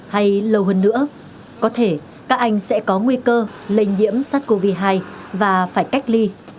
hay lâu hơn nữa có thể các anh sẽ có nguy cơ lệnh nhiễm sát covid hai và phải cách ly